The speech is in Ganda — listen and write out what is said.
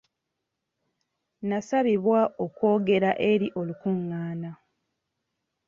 Nasabibwa okwogera eri olukungaana.